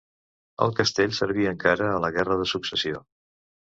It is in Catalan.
El castell serví encara a la guerra de Successió.